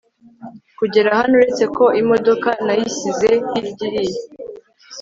kugera hano uretse ko imodoka nayisize hiryiriya